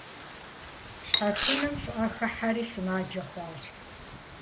Щхьэхынэм щӀыӀэ хыхьэри сымаджэ хъуащ.